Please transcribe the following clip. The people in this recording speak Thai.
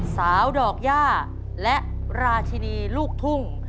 ดอกย่าและราชินีลูกทุ่ง